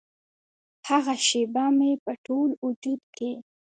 هغه شیبه مې په ټول وجود کې